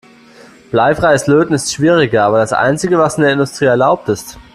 Bleifreies Löten ist schwieriger, aber das einzige, was in der Industrie erlaubt ist.